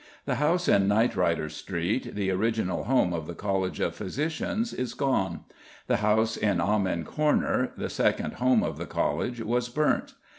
The house in Knightrider Street, the original home of the College of Physicians, is gone. The house in Amen Corner, the second home of the College, was burnt.